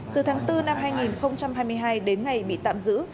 từ tháng bốn năm hai nghìn hai mươi hai đến ngày bị tạm giữ